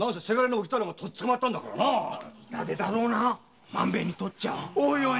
痛手だろうな万兵衛にとっちゃ。